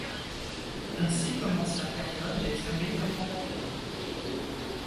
Ainsi commence la période des abbés commendataires.